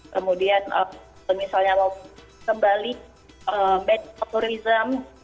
kemudian misalnya mau kembali ke turisme